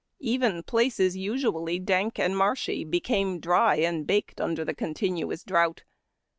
Even places usually dank and marshy became dry and baked under the continuous drought.